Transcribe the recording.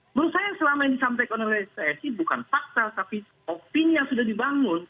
menurut saya selama yang disampaikan oleh rekonisasi bukan fakta tapi opini yang sudah dibangun